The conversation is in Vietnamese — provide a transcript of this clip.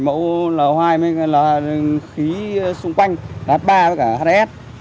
mẫu là khí xung quanh là h ba với cả hds